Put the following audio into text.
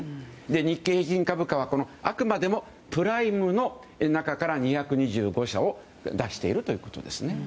日経平均株価はあくまでもプライムの中から２２５社を出しているということです。